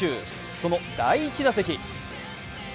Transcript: その第１打席。